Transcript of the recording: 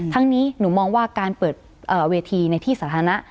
ทั้งนี้หนูมองว่าการเปิดเวทีในที่สถานะ